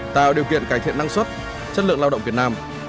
tạo điều kiện cải thiện năng suất chất lượng lao động việt nam